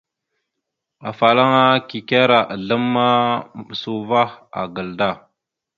Afalaŋa kikera azlam ma, maɓəsa uvah agal da.